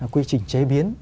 quy trình chế biến